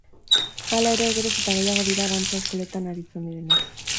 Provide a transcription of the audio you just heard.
Hala ere, geroz eta gehiago dira dantza eskoletan aritzen direnak.